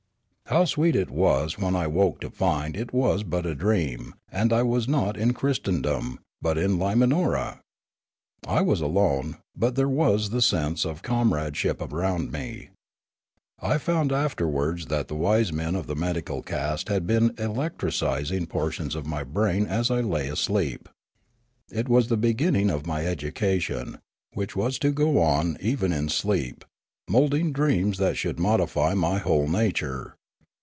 How sweet it was when I awoke to find it was but a dream, and that I was not in Christendom but in Limanora ! I was alone, but there was the sense of comradeship around me. I found afterwards that the wise men of the medical caste had been electrising por tions of my brain as I lay asleep. It was the beginning of my education, which was to go on even in sleep, moulding dreams that should modify my whole nature.